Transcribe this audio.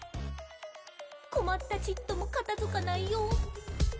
「こまったちっともかたづかないよ」